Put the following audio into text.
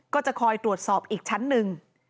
ก็จะคอยตรวจสอบอีกชั้นหนึ่ง